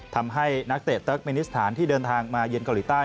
ทำให้นักเตะเติร์กมินิสถานที่เดินทางมาเยือนเกาหลีใต้